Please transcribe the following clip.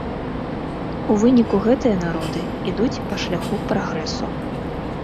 У выніку гэтыя народы ідуць па шляху прагрэсу.